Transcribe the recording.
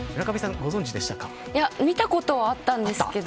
見たことはあったんですけど。